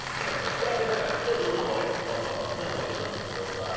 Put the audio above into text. どうぞどうぞ桝アナもねお掛けになってください。